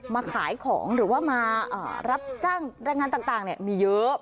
มาขายของหรือว่ามาเอ่อรับตั้งแรงงานต่างต่างเนี้ยมีเยอะ